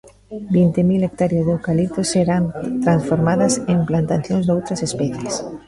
Vinte mil hectáreas de eucaliptos serán transformadas en plantacións doutras especies.